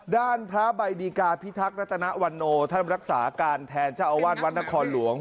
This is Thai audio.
ด้านพระใบดีกาพิทักษ์รัตนวันโนท่านรักษาการแทนเจ้าอาวาสวัดนครหลวง